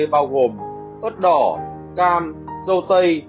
bao gồm ớt đỏ cam rau tây